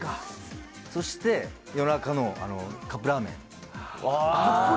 そして夜中のカップラーメン。